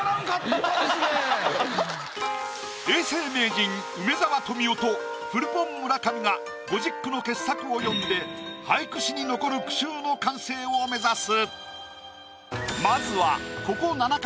永世名人梅沢富美男とフルポン村上が５０句の傑作を詠んで俳句史に残る句集の完成を目指す。